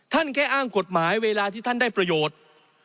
แค่อ้างกฎหมายเวลาที่ท่านได้ประโยชน์